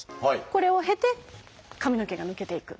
これを経て髪の毛が抜けていく。